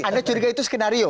anda curiga itu skenario